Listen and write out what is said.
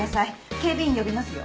警備員呼びますよ。